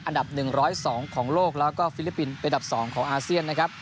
อันดับ๑๐๒ของโลกแล้วก็ฟิลิปปินส์เป็นอันดับ๒ของอาเซียนนะครับ